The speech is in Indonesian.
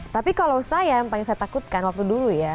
tapi kalau saya yang paling saya takutkan waktu dulu ya